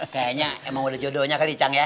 kayaknya emang udah jodohnya kali chang ya